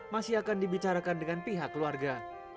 masih akan dibicarakan dengan pihak keluarga